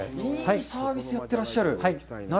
いいサービスやってらっしゃる。